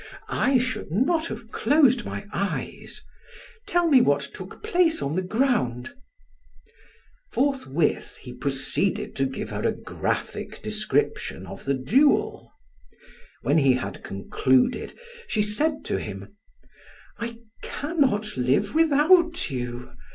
"I should not have closed my eyes. Tell me what took place on the ground." Forthwith he proceeded to give her a graphic description of the duel. When he had concluded, she said to him: "I cannot live without you!